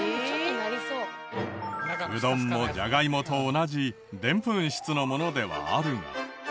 うどんもジャガイモと同じでんぷん質のものではあるが。